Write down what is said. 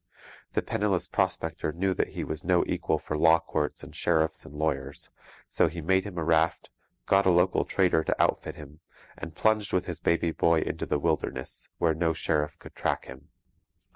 The penniless prospector knew that he was no equal for law courts and sheriffs and lawyers; so he made him a raft, got a local trader to outfit him, and plunged with his baby boy into the wilderness, where no sheriff could track him.